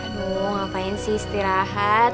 aduh ngapain sih istirahat